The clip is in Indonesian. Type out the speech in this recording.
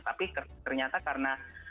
tapi ternyata karena